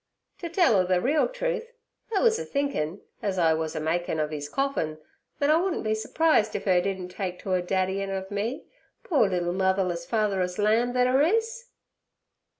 To tell yer ther reel truth, I wuz a thinkin', az I wuz a makin' ov 'e's coffin, thet I wouldn' be surprised if 'er didn' take to a daddyin' ov me—poor liddle motherless, fatherless lamb thet 'er is.'